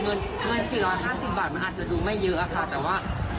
เงินเงินสี่ร้อยห้าสิบบาทมันอาจจะดูไม่เยอะอะค่ะแต่ว่า